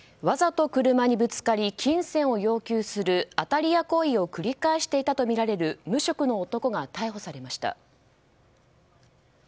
わざと車にぶつかり金銭を要求する当たり屋行為を繰り返していたとみられる無職の男が逮捕されました。